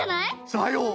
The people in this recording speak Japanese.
さよう！